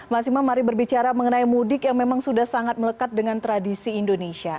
mas imam mari berbicara mengenai mudik yang memang sudah sangat melekat dengan tradisi indonesia